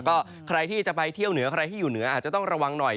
ก็ใครที่จะไปเที่ยวเหนือใครที่อยู่เหนืออาจจะต้องระวังหน่อย